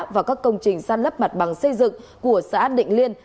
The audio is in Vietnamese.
và các công trình săn lấp mặt bằng xây dựng của xã định liên